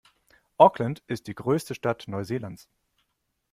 Auckland ist die größte Stadt Neuseelands.